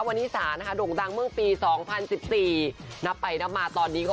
วันนี้สานะคะโด่งดังเมื่อปีสองพันสิบสี่นับไปนับมาตอนนี้ก็